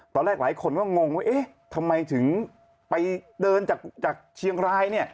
ตอนแรกหลายคนก็งงว่าเอ๊ะทำไมถึงไปเดินจากเชียงราย